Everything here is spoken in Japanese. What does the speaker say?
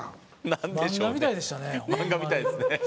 漫画みたいですね。